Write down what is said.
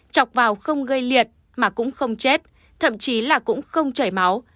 chọc vào không gây liệt mà cũng không chết thậm chí là cũng không chảy máu